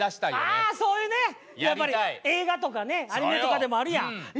やっぱり映画とかねアニメとかでもあるやん。